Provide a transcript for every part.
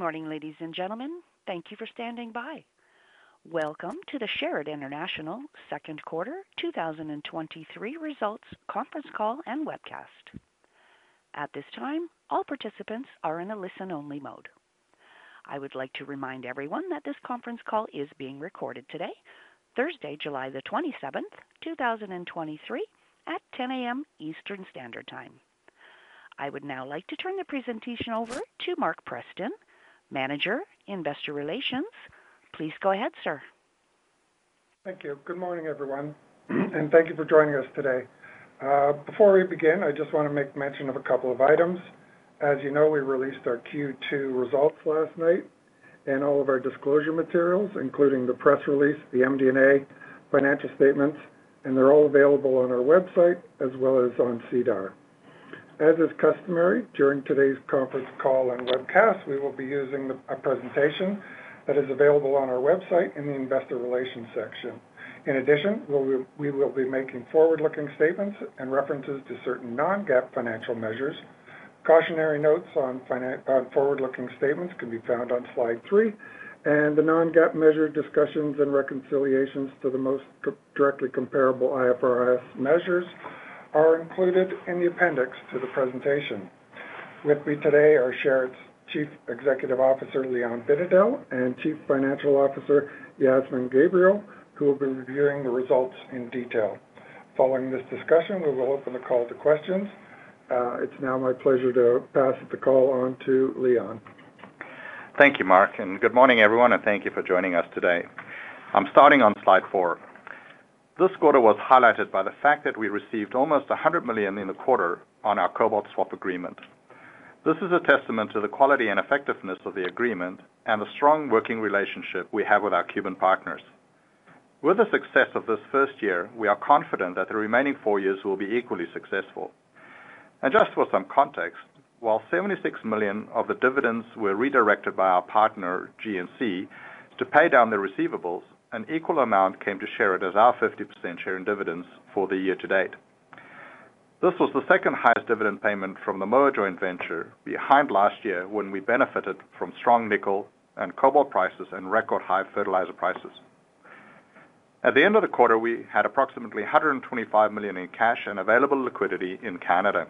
Good morning, ladies and gentlemen. Thank you for standing by. Welcome to the Sherritt International Second Quarter 2023 Results Conference Call and Webcast. At this time, all participants are in a listen-only mode. I would like to remind everyone that this conference call is being recorded today, Thursday, July 27, 2023 at 10:00 A.M. Eastern Standard Time. I would now like to turn the presentation over to Mark Preston, Manager, Investor Relations. Please go ahead, sir. Thank you. Good morning, everyone, and thank you for joining us today. Before we begin, I just want to make mention of a couple of items. As you know, we released our Q2 results last night, and all of our disclosure materials, including the press release, the MD&A, financial statements, and they're all available on our website as well as on SEDAR. As is customary, during today's conference call and webcast, we will be using a presentation that is available on our website in the Investor Relations section. In addition, we will be making forward-looking statements and references to certain non-GAAP financial measures. Cautionary notes on forward-looking statements can be found on slide three, and the non-GAAP measure discussions and reconciliations to the most directly comparable IFRS measures are included in the appendix to the presentation. With me today are Sherritt's Chief Executive Officer, Leon Binedell, and Chief Financial Officer, Yasmin Gabriel, who will be reviewing the results in detail. Following this discussion, we will open the call to questions. It's now my pleasure to pass the call on to Leon. Thank you, Mark. Good morning, everyone. Thank you for joining us today. I'm starting on slide 4. This quarter was highlighted by the fact that we received almost 100 million in the quarter on our cobalt swap agreement. This is a testament to the quality and effectiveness of the agreement and the strong working relationship we have with our Cuban partners. With the success of this first year, we are confident that the remaining 4 years will be equally successful. Just for some context, while 76 million of the dividends were redirected by our partner, GNC, to pay down their receivables, an equal amount came to Sherritt as our 50% share in dividends for the year to date. This was the second highest dividend payment from the Moa Joint Venture, behind last year when we benefited from strong nickel and cobalt prices and record high fertilizer prices. At the end of the quarter, we had approximately 125 million in cash and available liquidity in Canada.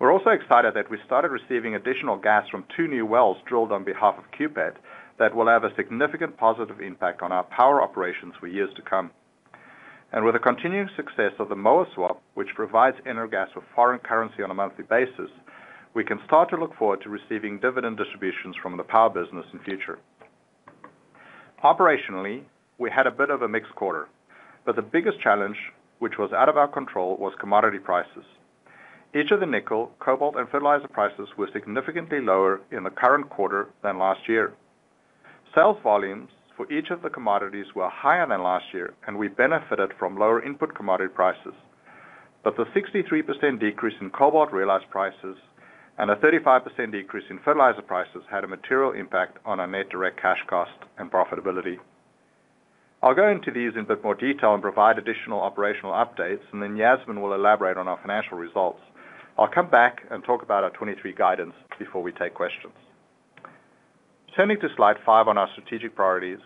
We're also excited that we started receiving additional gas from 2 new wells drilled on behalf of CUPET that will have a significant positive impact on our power operations for years to come. With the continuing success of the Moa swap, which provides Energas with foreign currency on a monthly basis, we can start to look forward to receiving dividend distributions from the power business in future. Operationally, we had a bit of a mixed quarter, but the biggest challenge, which was out of our control, was commodity prices. Each of the nickel, cobalt, and fertilizer prices were significantly lower in the current quarter than last year. Sales volumes for each of the commodities were higher than last year, and we benefited from lower input commodity prices. The 63% decrease in cobalt realized prices and a 35% decrease in fertilizer prices had a material impact on our net direct cash cost and profitability. I'll go into these in a bit more detail and provide additional operational updates, and then Yasmin will elaborate on our financial results. I'll come back and talk about our 2023 guidance before we take questions. Turning to slide 5 on our strategic priorities,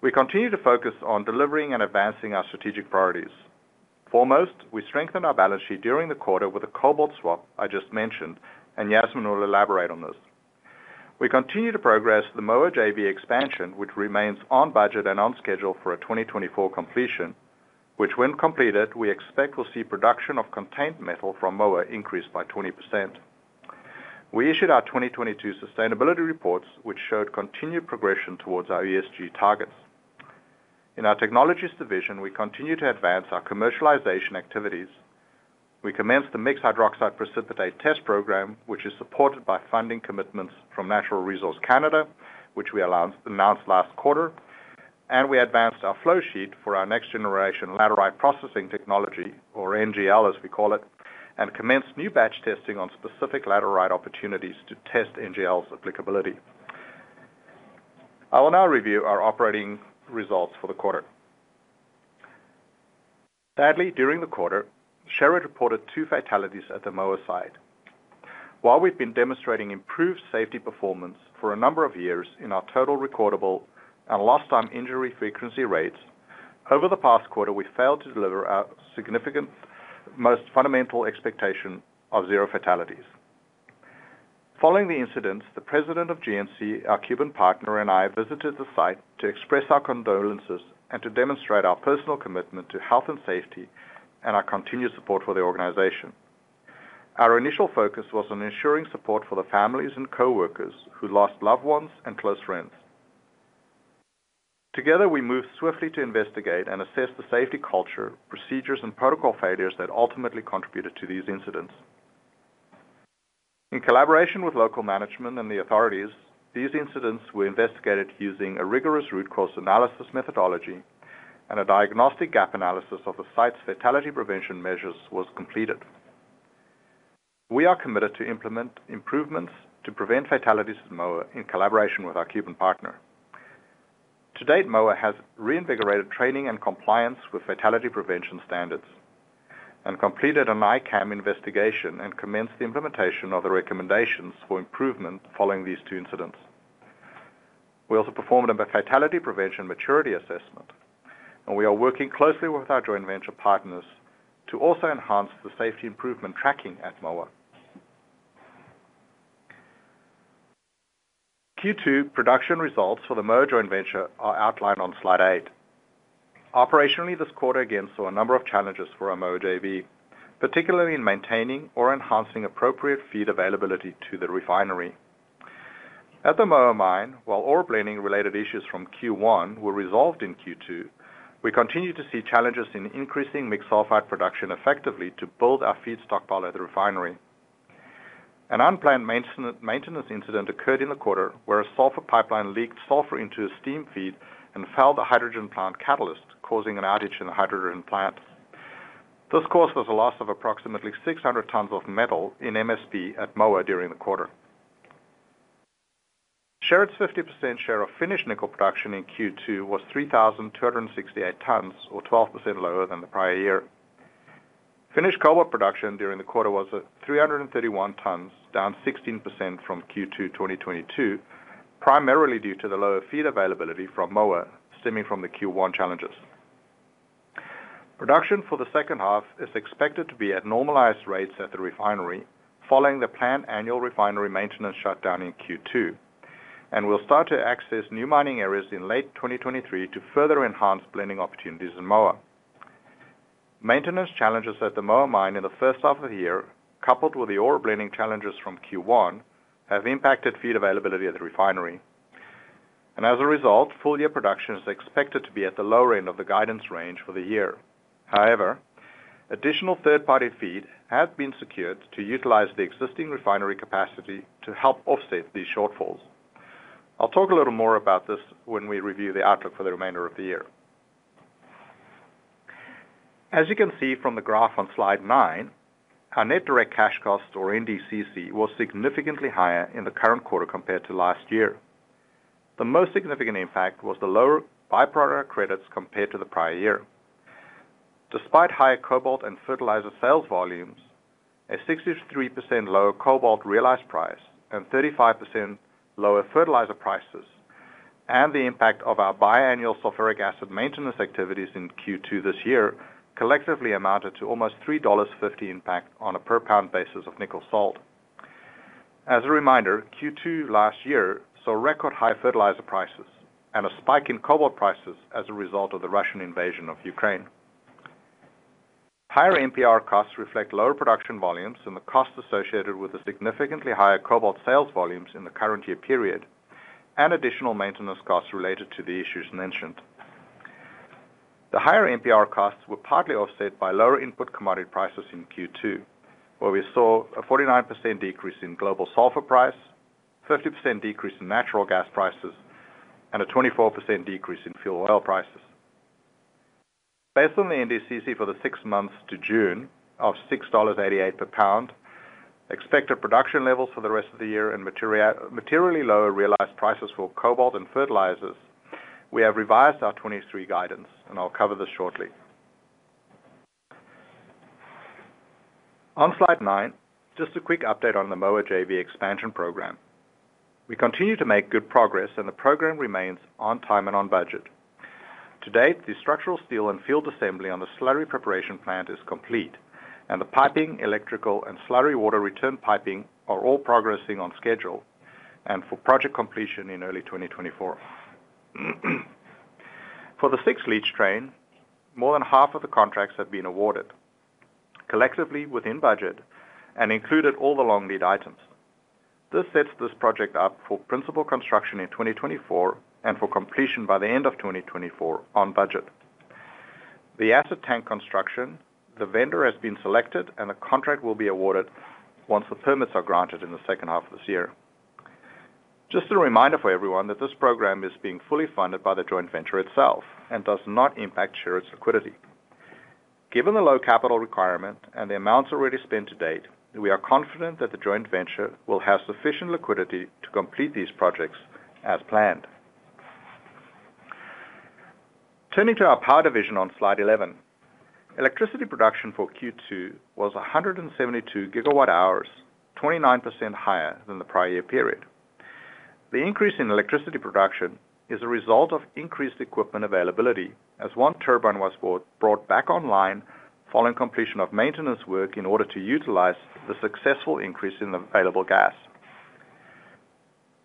we continue to focus on delivering and advancing our strategic priorities. Foremost, we strengthened our balance sheet during the quarter with a cobalt swap I just mentioned, and Yasmin will elaborate on this. We continue to progress the Moa JV expansion, which remains on budget and on schedule for a 2024 completion, which when completed, we expect will see production of contained metal from Moa increased by 20%. We issued our 2022 sustainability reports, which showed continued progression towards our ESG targets. In our technologies division, we continue to advance our commercialization activities.. We commenced the mixed hydroxide precipitate test program, which is supported by funding commitments from Natural Resources Canada, which we announced last quarter. We advanced our flowsheet for our Next-generation laterite processing technology, or NGL, as we call it, and commenced new batch testing on specific laterite opportunities to test NGL's applicability. I will now review our operating results for the quarter. Sadly, during the quarter, Sherritt reported two fatalities at the Moa site. While we've been demonstrating improved safety performance for a number of years in our total recordable and lost time injury frequency rates, over the past quarter, we failed to deliver our significant, most fundamental expectation of zero fatalities. Following the incidents, the president of GNC, our Cuban partner, and I, visited the site to express our condolences and to demonstrate our personal commitment to health and safety and our continued support for the organization. Our initial focus was on ensuring support for the families and coworkers who lost loved ones and close friends. Together, we moved swiftly to investigate and assess the safety culture, procedures, and protocol failures that ultimately contributed to these incidents. In collaboration with local management and the authorities, these incidents were investigated using a rigorous root cause analysis methodology, and a diagnostic gap analysis of the site's fatality prevention measures was completed. We are committed to implement improvements to prevent fatalities at Moa in collaboration with our Cuban partner. To date, Moa has reinvigorated training and compliance with fatality prevention standards and completed an ICAM investigation and commenced the implementation of the recommendations for improvement following these two incidents. We also performed a fatality prevention maturity assessment, and we are working closely with our joint venture partners to also enhance the safety improvement tracking at Moa. Q2 production results for the Moa Joint Venture are outlined on slide eight. Operationally, this quarter again, saw a number of challenges for our Moa JV, particularly in maintaining or enhancing appropriate feed availability to the refinery. At the Moa mine, while ore blending related issues from Q1 were resolved in Q2, we continue to see challenges in increasing Mixed Sulphide production effectively to build our feed stockpile at the refinery. An unplanned maintenance incident occurred in the quarter, where a sulfur pipeline leaked sulfur into a steam feed and fouled the hydrogen plant catalyst, causing an outage in the hydrogen plant. This cost was a loss of approximately 600 tons of metal in MSP at Moa during the quarter. Sherritt's 50% share of finished nickel production in Q2 was 3,268 tons, or 12% lower than the prior year. Finished cobalt production during the quarter was at 331 tons, down 16% from Q2, 2022, primarily due to the lower feed availability from Moa, stemming from the Q1 challenges. Production for the second half is expected to be at normalized rates at the refinery, following the planned annual refinery maintenance shutdown in Q2. We'll start to access new mining areas in late 2023 to further enhance blending opportunities in Moa. Maintenance challenges at the Moa mine in the first half of the year, coupled with the ore blending challenges from Q1, have impacted feed availability at the refinery. As a result, full year production is expected to be at the lower end of the guidance range for the year. However, additional third-party feed has been secured to utilize the existing refinery capacity to help offset these shortfalls. I'll talk a little more about this when we review the outlook for the remainder of the year. As you can see from the graph on Slide 9, our net direct cash costs, or NDCC, was significantly higher in the current quarter compared to last year. The most significant impact was the lower byproduct credits compared to the prior year. Despite higher cobalt and fertilizer sales volumes, a 63% lower cobalt realized price and 35% lower fertilizer prices, and the impact of our biannual sulfuric acid maintenance activities in Q2 this year, collectively amounted to almost $3.50 impact on a per pound basis of nickel salt. As a reminder, Q2 last year, saw record high fertilizer prices and a spike in cobalt prices as a result of the Russian invasion of Ukraine. Higher MPR costs reflect lower production volumes and the costs associated with the significantly higher cobalt sales volumes in the current year period, and additional maintenance costs related to the issues mentioned. The higher MPR costs were partly offset by lower input commodity prices in Q2, where we saw a 49% decrease in global sulfur price, 50% decrease in natural gas prices, and a 24% decrease in fuel oil prices. Based on the NDCC for the six months to June of $6.88 per pound, expected production levels for the rest of the year and materially lower realized prices for cobalt and fertilizers, we have revised our 2023 guidance. I'll cover this shortly. On slide nine, just a quick update on the Moa JV expansion program. We continue to make good progress and the program remains on time and on budget. To date, the structural steel and field assembly on the slurry preparation plant is complete, and the piping, electrical, and slurry water return piping are all progressing on schedule, and for project completion in early 2024. For the sixth leach train, more than half of the contracts have been awarded, collectively within budget and included all the long-lead items. This sets this project up for principal construction in 2024 and for completion by the end of 2024 on budget. The acid tank construction, the vendor has been selected and a contract will be awarded once the permits are granted in the second half of this year. Just a reminder for everyone that this program is being fully funded by the joint venture itself and does not impact Sherritt's liquidity. Given the low capital requirement and the amounts already spent to date, we are confident that the joint venture will have sufficient liquidity to complete these projects as planned. Turning to our power division on slide 11, electricity production for Q2 was 172 gigawatt hours, 29% higher than the prior year period. The increase in electricity production is a result of increased equipment availability, as one turbine was brought back online following completion of maintenance work in order to utilize the successful increase in the available gas.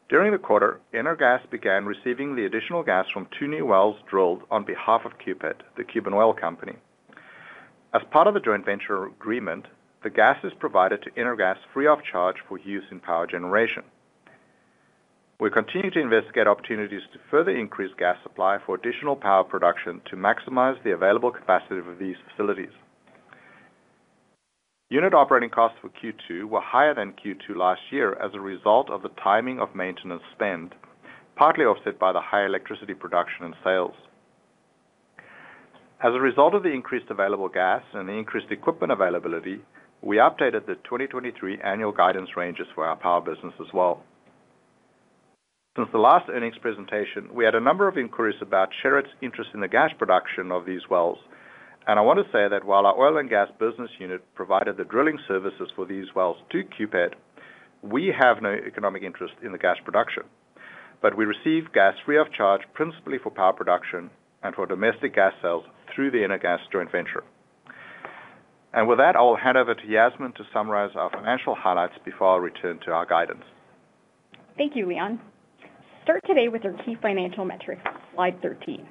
During the quarter, Energas began receiving the additional gas from 2 new wells drilled on behalf of Cupet, the Cuban oil company. As part of the joint venture agreement, the gas is provided to Energas free of charge for use in power generation. We continue to investigate opportunities to further increase gas supply for additional power production to maximize the available capacity of these facilities. Unit operating costs for Q2 were higher than Q2 last year as a result of the timing of maintenance spend, partly offset by the higher electricity production and sales. As a result of the increased available gas and the increased equipment availability, we updated the 2023 annual guidance ranges for our power business as well. Since the last earnings presentation, we had a number of inquiries about Sherritt's interest in the gas production of these wells. I want to say that while our oil and gas business unit provided the drilling services for these wells to CUPET, we have no economic interest in the gas production, but we receive gas free of charge, principally for power production and for domestic gas sales through the Energas joint venture. With that, I'll hand over to Yasmin to summarize our financial highlights before I return to our guidance. Thank you, Leon. Start today with our key financial metrics, slide 13.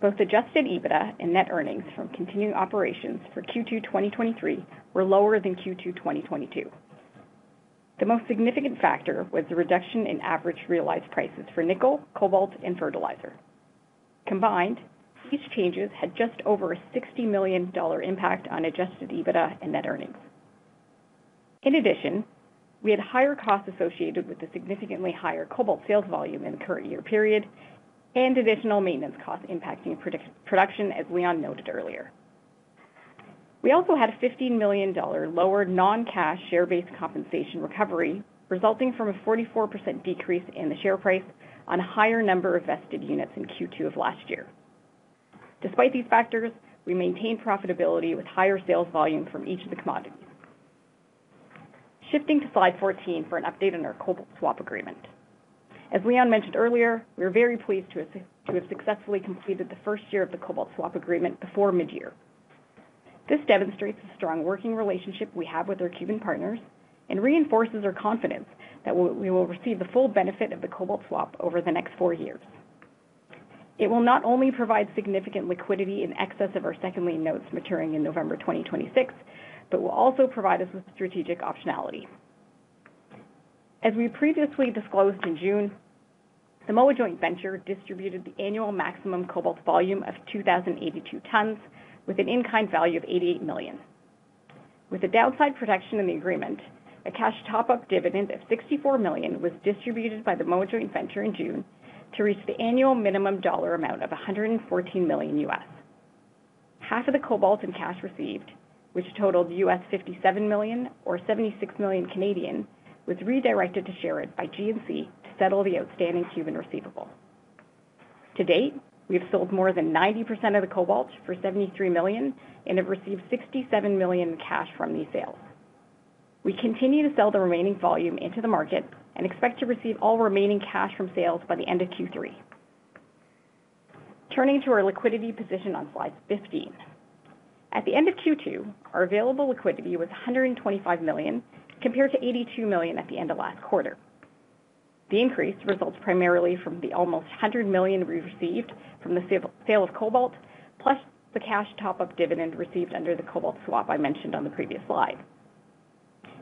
Both Adjusted EBITDA and net earnings from continuing operations for Q2 2023 were lower than Q2 2022. The most significant factor was the reduction in average realized prices for nickel, cobalt, and fertilizer. Combined, these changes had just over a $60 million impact on Adjusted EBITDA and net earnings. In addition, we had higher costs associated with the significantly higher cobalt sales volume in the current year period and additional maintenance costs impacting production, as Leon noted earlier. We also had a $15 million lower non-cash share-based compensation recovery, resulting from a 44% decrease in the share price on a higher number of vested units in Q2 of last year. Despite these factors, we maintained profitability with higher sales volume from each of the commodities. Shifting to slide 14 for an update on our cobalt swap agreement. As Leon mentioned earlier, we are very pleased to have successfully completed the first year of the cobalt swap agreement before midyear. This demonstrates the strong working relationship we have with our Cuban partners and reinforces our confidence that we will receive the full benefit of the cobalt swap over the next 4 years. It will not only provide significant liquidity in excess of our second lien notes maturing in November 2026, but will also provide us with strategic optionality. As we previously disclosed in June, the Moa Joint Venture distributed the annual maximum cobalt volume of 2,082 tons, with an in-kind value of $88 million. With the downside protection in the agreement, a cash top-up dividend of $64 million was distributed by the Moa Joint Venture in June to reach the annual minimum dollar amount of $114 million. Half of the cobalt and cash received, which totaled $57 million or 76 million Canadian dollars, was redirected to Sherritt by GNC to settle the outstanding Cuban receivable. To date, we have sold more than 90% of the cobalt for $73 million and have received $67 million in cash from these sales. We continue to sell the remaining volume into the market and expect to receive all remaining cash from sales by the end of Q3. Turning to our liquidity position on slide 15. At the end of Q2, our available liquidity was $125 million, compared to $82 million at the end of last quarter. The increase results primarily from the almost 100 million we received from the sale of cobalt, plus the cash top-up dividend received under the cobalt swap I mentioned on the previous slide.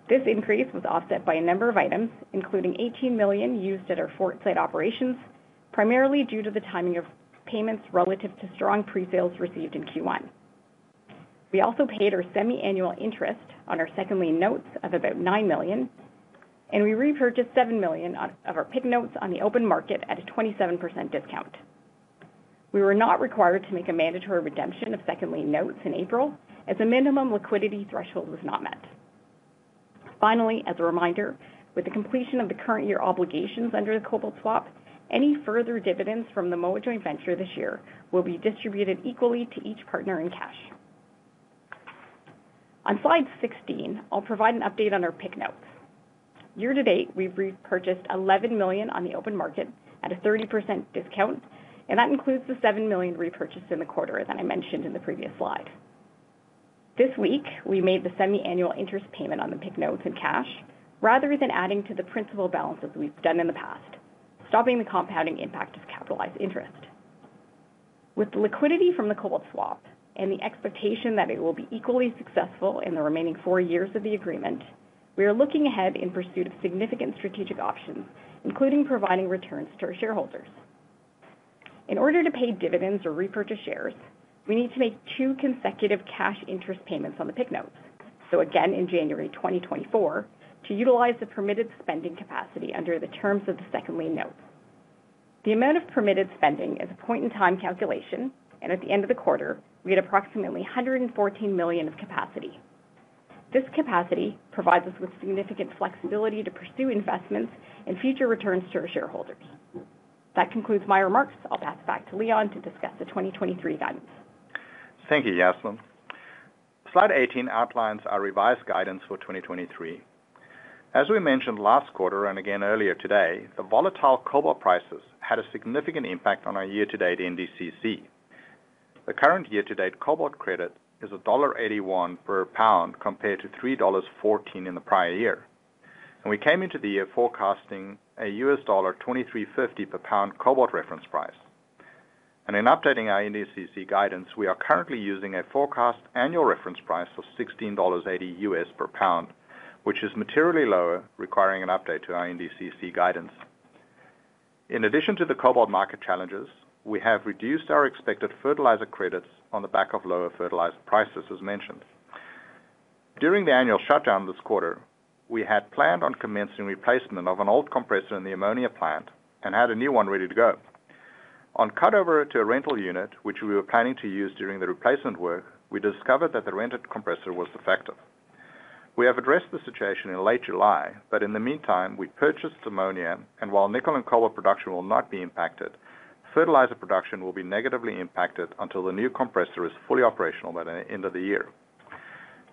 This increase was offset by a number of items, including 18 million used at our Fort Site operations, primarily due to the timing of payments relative to strong pre-sales received in Q1. We also paid our semi-annual interest on our second lien notes of about 9 million, and we repurchased 7 million of our PIK notes on the open market at a 27% discount. We were not required to make a mandatory redemption of second lien notes in April, as a minimum liquidity threshold was not met. As a reminder, with the completion of the current year obligations under the cobalt swap, any further dividends from the Moa Joint Venture this year will be distributed equally to each partner in cash. On slide 16, I'll provide an update on our PIK notes. Year to date, we've repurchased 11 million on the open market at a 30% discount, that includes 7 million repurchased in the quarter, as I mentioned in the previous slide. This week, we made the semi-annual interest payment on the PIK notes in cash, rather than adding to the principal balances we've done in the past, stopping the compounding impact of capitalized interest. With the liquidity from the cobalt swap and the expectation that it will be equally successful in the remaining four years of the agreement, we are looking ahead in pursuit of significant strategic options, including providing returns to our shareholders. In order to pay dividends or repurchase shares, we need to make two consecutive cash interest payments on the PIK notes, so again in January 2024, to utilize the permitted spending capacity under the terms of the second lien note. The amount of permitted spending is a point-in-time calculation, and at the end of the quarter, we had approximately 114 million of capacity. This capacity provides us with significant flexibility to pursue investments and future returns to our shareholders. That concludes my remarks. I'll pass it back to Leon to discuss the 2023 guidance. Thank you, Yasmin. Slide 18 outlines our revised guidance for 2023. As we mentioned last quarter and again earlier today, the volatile cobalt prices had a significant impact on our year-to-date NDCC. The current year-to-date cobalt credit is $1.81 per pound, compared to $3.14 in the prior year. We came into the year forecasting a US $23.50 per pound cobalt reference price. In updating our NDCC guidance, we are currently using a forecast annual reference price of $16.80 US per pound, which is materially lower, requiring an update to our NDCC guidance. In addition to the cobalt market challenges, we have reduced our expected fertilizer credits on the back of lower fertilizer prices, as mentioned. During the annual shutdown this quarter, we had planned on commencing replacement of an old compressor in the ammonia plant and had a new one ready to go. On cut over to a rental unit, which we were planning to use during the replacement work, we discovered that the rented compressor was defective. We have addressed the situation in late July, but in the meantime, we purchased ammonia, and while nickel and cobalt production will not be impacted, fertilizer production will be negatively impacted until the new compressor is fully operational by the end of the year.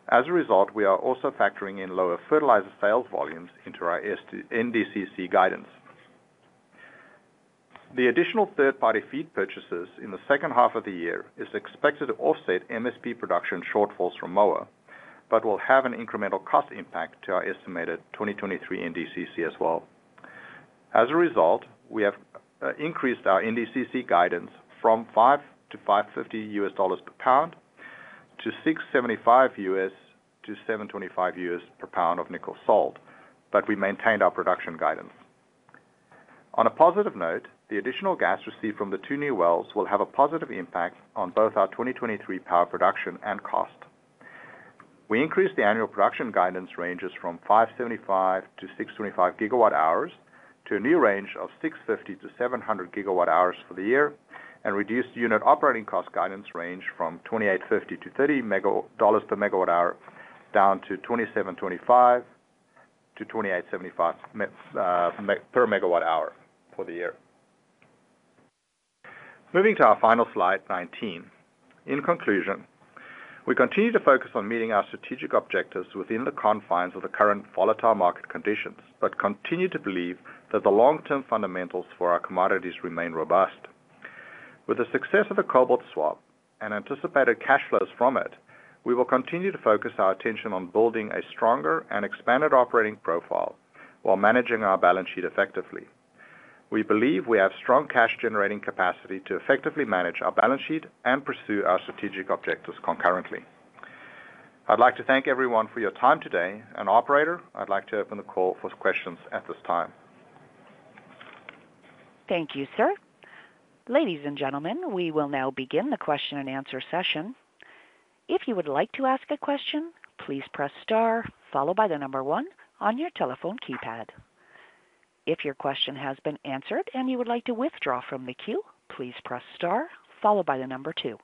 As a result, we are also factoring in lower fertilizer sales volumes into our ST- NDCC guidance. The additional third-party feed purchases in the second half of the year is expected to offset MSP production shortfalls from Moa, but will have an incremental cost impact to our estimated 2023 NDCC as well. As a result, we have increased our NDCC guidance from $5.00-$5.50 per pound to $6.75-$7.25 per pound of nickel sold, but we maintained our production guidance. On a positive note, the additional gas received from the two new wells will have a positive impact on both our 2023 power production and cost. We increased the annual production guidance ranges from 575-625 gigawatt hours, to a new range of 650-700 gigawatt hours for the year, and reduced unit operating cost guidance range from 28.50-30 dollars per megawatt hour, down to 27.25-28.75 per megawatt hour for the year. Moving to our final slide, 19. In conclusion, we continue to focus on meeting our strategic objectives within the confines of the current volatile market conditions, but continue to believe that the long-term fundamentals for our commodities remain robust. With the success of the cobalt swap and anticipated cash flows from it, we will continue to focus our attention on building a stronger and expanded operating profile while managing our balance sheet effectively. We believe we have strong cash generating capacity to effectively manage our balance sheet and pursue our strategic objectives concurrently. I'd like to thank everyone for your time today, and operator, I'd like to open the call for questions at this time. Thank you, sir. Ladies and gentlemen, we will now begin the question and answer session. If you would like to ask a question, please press star, followed by number 1 on your telephone keypad. If your question has been answered and you would like to withdraw from the queue, please press star, followed by number 2.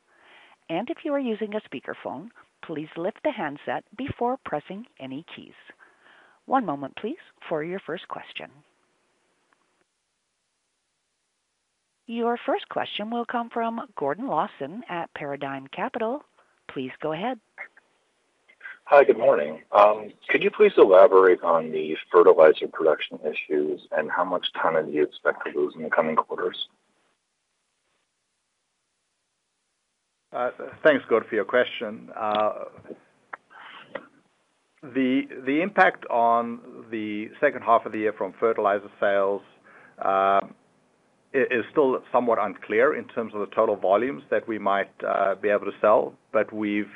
If you are using a speakerphone, please lift the handset before pressing any keys. One moment, please, for your first question. Your first question will come from Gordon Lawson at Paradigm Capital. Please go ahead. Hi, good morning. Could you please elaborate on the fertilizer production issues and how much time do you expect to lose in the coming quarters? Thanks, Gordon, for your question. The impact on the second half of the year from fertilizer sales is still somewhat unclear in terms of the total volumes that we might be able to sell, but we've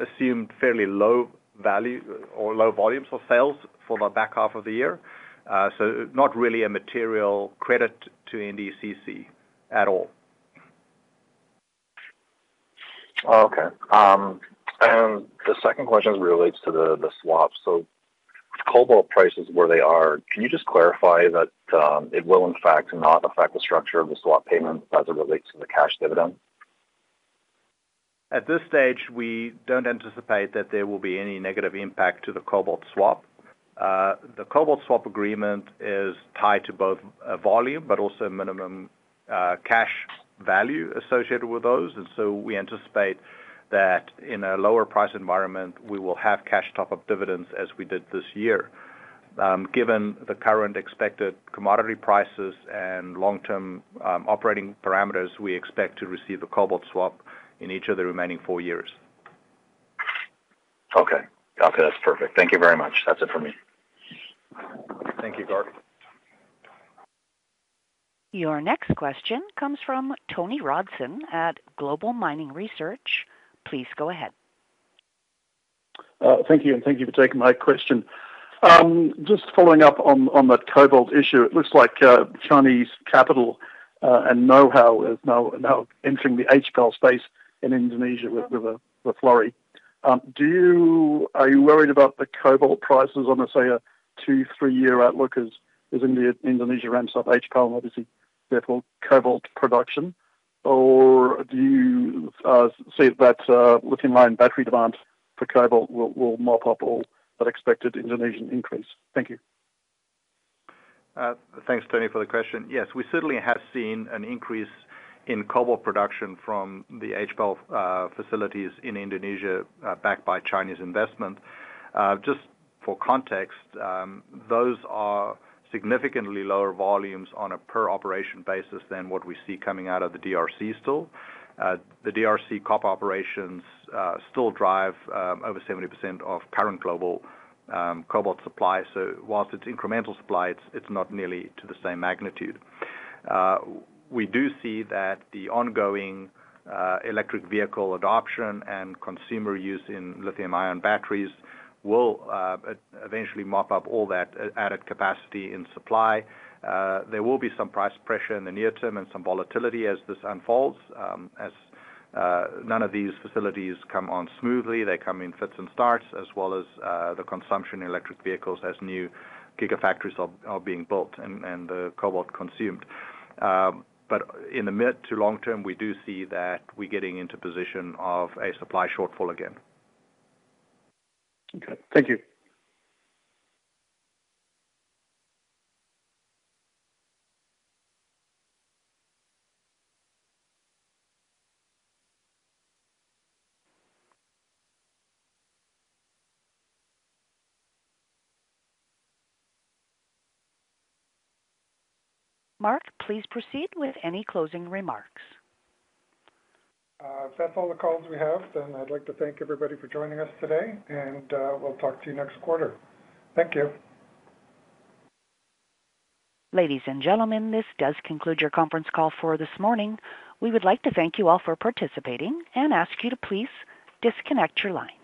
assumed fairly low value or low volumes of sales for the back half of the year. Not really a material credit to NDCC at all. Okay. The second question relates to the swap. Cobalt prices where they are, can you just clarify that it will in fact, not affect the structure of the swap payment as it relates to the cash dividend? At this stage, we don't anticipate that there will be any negative impact to the cobalt swap. The cobalt swap agreement is tied to both volume, but also minimum cash value associated with those. We anticipate that in a lower price environment, we will have cash top-up dividends as we did this year. Given the current expected commodity prices and long-term operating parameters, we expect to receive a cobalt swap in each of the remaining four years. Okay. Okay, that's perfect. Thank you very much. That's it for me. Thank you, Gordon. Your next question comes from Dalton Baretto at Global Mining Research. Please go ahead. Thank you, and thank you for taking my question. Just following up on that cobalt issue, it looks like Chinese capital and know-how is now entering the HPAL space in Indonesia with a flurry. Are you worried about the cobalt prices on a, say, a 2, 3-year outlook as India, Indonesia ramps up HPAL and obviously therefore, cobalt production? Do you see that lithium-ion battery demand for cobalt will mop up all that expected Indonesian increase? Thank you. Thanks, Tony, for the question. We certainly have seen an increase in cobalt production from the HPAL facilities in Indonesia, backed by Chinese investment. Just for context, those are significantly lower volumes on a per operation basis than what we see coming out of the DRC still. The DRC cop operations still drive over 70% of current global cobalt supply. Whilst it's incremental supply, it's not nearly to the same magnitude. We do see that the ongoing electric vehicle adoption and consumer use in lithium-ion batteries will eventually mop up all that added capacity in supply. There will be some price pressure in the near term and some volatility as this unfolds. As none of these facilities come on smoothly, they come in fits and starts, as well as the consumption in electric vehicles as new gigafactories are being built and the cobalt consumed. In the mid to long term, we do see that we're getting into a position of a supply shortfall again. Okay. Thank you. Mark, please proceed with any closing remarks. If that's all the calls we have, then I'd like to thank everybody for joining us today, and we'll talk to you next quarter. Thank you. Ladies and gentlemen, this does conclude your conference call for this morning. We would like to thank you all for participating and ask you to please disconnect your lines.